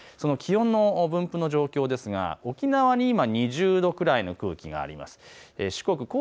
気温の分布の状況ですが、沖縄に今、２０度くらいの空気があります。